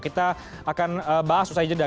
kita akan bahas usai jeda